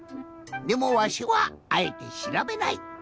でもわしはあえてしらべない。